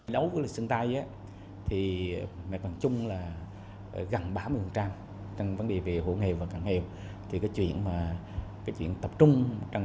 đối với sơn tây gần ba mươi vùng trang trong vấn đề về hộ nghèo và cảnh nghèo chuyện tập trung trong